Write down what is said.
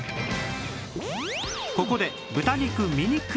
ここで